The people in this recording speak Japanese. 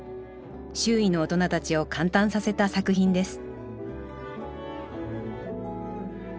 周囲の大人たちを感嘆させた作品です